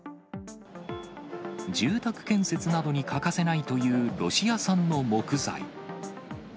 住宅建設などに欠かせないというロシア産の木材。